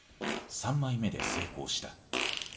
３枚目で成功した。